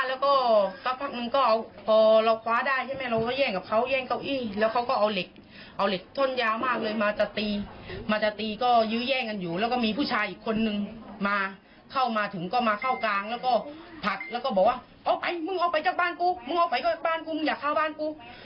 เอาไปมึงเอาไปจากบ้านกูมึงเอาไปจากบ้านกูมึงอยากเข้าบ้านกู